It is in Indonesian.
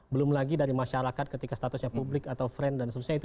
belum lagi dari masyarakat ketika statusnya publik atau friend dan sebagainya